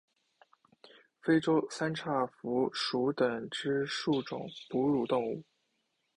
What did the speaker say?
非洲三叉蝠属等之数种哺乳动物。